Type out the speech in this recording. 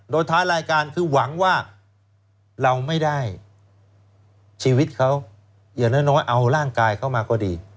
โดยท้ายรายการคือหวังว่าเราไม่ได้ชีวิตเขาอย่างน้อยเอาร่างกายเข้ามาก็ดี